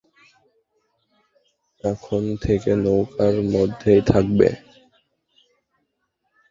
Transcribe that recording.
এখন থেকে, নৌকার মধ্যেই থাকবে।